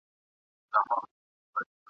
د ځوانۍ په خوب کي تللې وه نشه وه ..